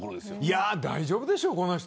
大丈夫でしょう、この人。